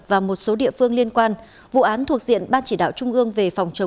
và một số địa phương liên quan